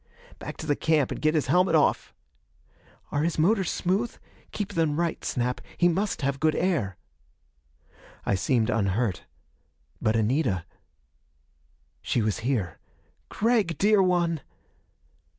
" back to the camp and get his helmet off." "Are his motors smooth? Keep them right, Snap he must have good air." I seemed unhurt. But Anita.... She was here. "Gregg, dear one!"